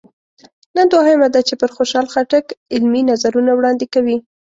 نن دوهمه ده چې پر خوشحال خټک علمي نظرونه وړاندې کوي.